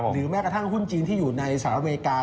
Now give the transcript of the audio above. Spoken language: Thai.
แม้กระทั่งหุ้นจีนที่อยู่ในสหรัฐอเมริกา